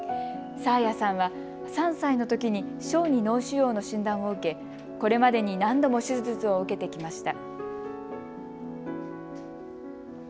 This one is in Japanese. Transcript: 紗彩さんは３歳のときに小児脳腫瘍の診断を受け、これまでに何度も手術を受けてきました。